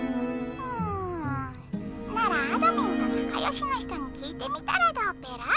「うんならあどミンとなかよしの人に聞いてみたらどうペラ？」。